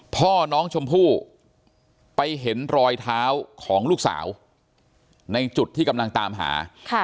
พ่อน้องชมพู่ไปเห็นรอยเท้าของลูกสาวในจุดที่กำลังตามหา